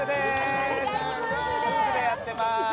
夫婦でやってます